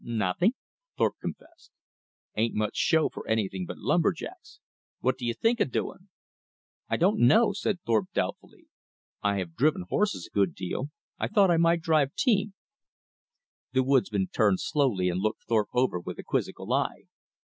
"Nothing," Thorpe confessed. "Ain't much show for anything but lumber jacks. What did you think of doing?" "I don't know," said Thorpe, doubtfully. "I have driven horses a good deal; I thought I might drive team." The woodsman turned slowly and looked Thorpe over with a quizzical eye.